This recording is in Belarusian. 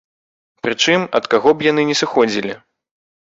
Прычым, ад каго б яны не сыходзілі.